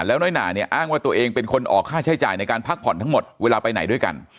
แล้วน้อยหนาเนี่ยอ้างว่าตัวเองเป็นคนออกค่าใช้จ่ายในการพักผ่อนทั้งหมดเวลาไปไหนด้วยกัน